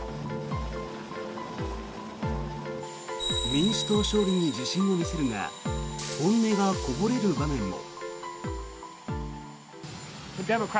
民主党勝利に自信を見せるが本音がこぼれる場面も。